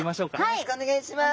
よろしくお願いします。